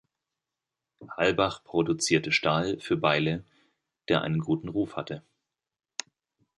Halbach produzierte Stahl für Beile, der einen guten Ruf hatte.